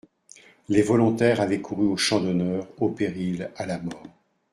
Les volontaires avaient couru au champ d'honneur, au péril, à la mort.